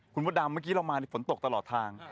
คุณมดดำเมื่อกี้เรามาฝนตกตลอดทาง